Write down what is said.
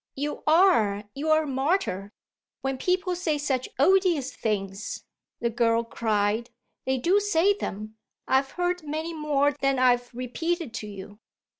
"You are you're a martyr when people say such odious things!" the girl cried. "They do say them. I've heard many more than I've repeated to you."